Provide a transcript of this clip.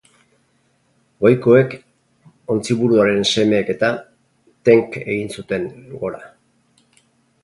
Goikoek, ontziburuaren semeek-eta, tenk egin zuten, gora.